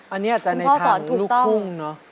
อันนี้อาจจะในทางลูกภูมิเนอะ